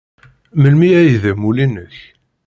Melmi ay d amulli-nnek?